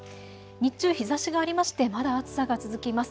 日中、日ざしがありましてまだ暑さが続きます。